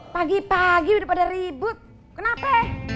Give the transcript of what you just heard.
pagi pagi udah pada ribut kenapa